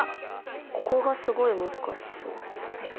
ここがすごい難しそう。ですね。